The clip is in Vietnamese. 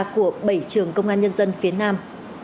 của bảy trường công an nhân dân phía nam